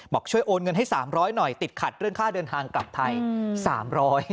บอกช่วยโอนเงินให้๓๐๐หน่อยติดขัดเรื่องค่าเดินทางกลับไทย๓๐๐บาท